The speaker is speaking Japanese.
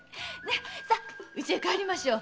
さあうちへ帰りましょう。